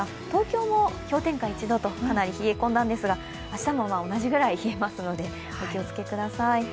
東京も氷点下１度とかなり冷え込んだんですが明日も同じくらい冷えますのでお気をつけください。